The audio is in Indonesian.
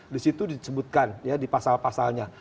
di situ disebutkan ya di pasal pasalnya